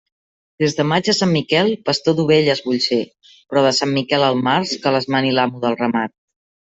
Des de maig a Sant Miquel, pastor d'ovelles vull ser; però de Sant Miquel a març, que les mene l'amo del ramat.